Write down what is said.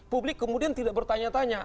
publik kemudian tidak bertanya tanya